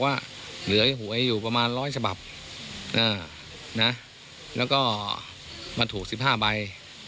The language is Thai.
แล้วก็มาถูก๑๕ใบ